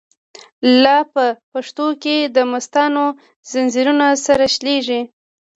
لاپه پښو کی دمستانو، ځنځیرونه سره شلیږی